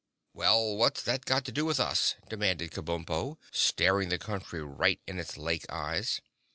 "Well, what's that got to do with us," demanded Kabumpo, staring the Country right in its lake eyes.